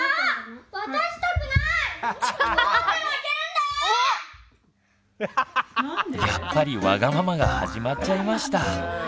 でもやっぱりワガママが始まっちゃいました。